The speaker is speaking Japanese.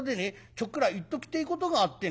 ちょっくら言っときてえことがあってな。